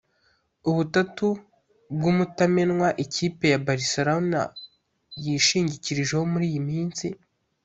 ubutatu bw’umutamenwa ikipe ya Barcelona yishingikirijeho muri iyi minsi